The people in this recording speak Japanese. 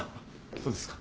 そうですか。